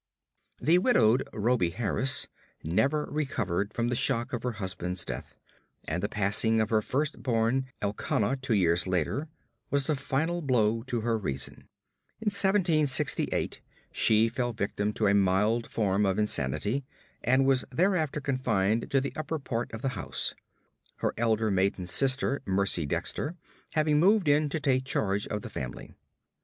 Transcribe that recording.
The widowed Rhoby Harris never recovered from the shock of her husband's death, and the passing of her first born Elkanah two years later was the final blow to her reason. In 1768 she fell victim to a mild form of insanity, and was thereafter confined to the upper part of the house; her elder maiden sister, Mercy Dexter, having moved in to take charge of the family.